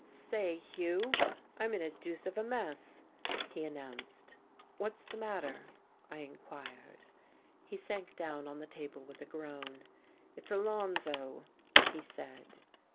"Say, Hugh, I'm in the deuce of a mess," he announced. "What's the matter?" I inquired. He sank down on the table with a groan. "It's Alonzo," he said.